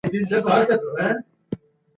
عالم وويل چي د دنيا او اخرت سعادت په تقوا کي دی.